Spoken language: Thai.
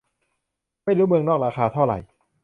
ไม่รู้เมืองนอกราคาเท่าไหร่